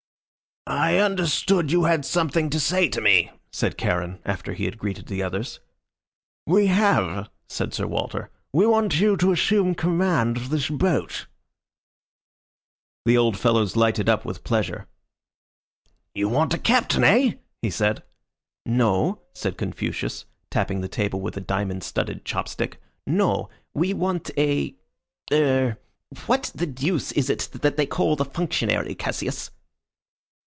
"I understood you had something to say to me," said Charon, after he had greeted the others. "We have," said Sir Walter. "We want you to assume command of this boat." The old fellow's eyes lighted up with pleasure. "You want a captain, eh?" he said. "No," said Confucius, tapping the table with a diamond studded chop stick. "No. We want a er what the deuce is it they call the functionary, Cassius?"